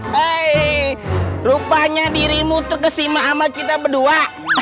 hei rupanya dirimu terkesima sama kita berdua